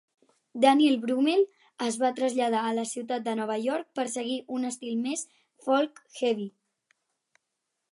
Daniel Brummel es va traslladar a la ciutat de Nova York per seguir un estil més folk-heavy.